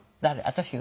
私が？